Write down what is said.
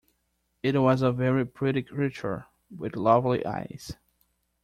It was a very pretty creature, with lovely eyes.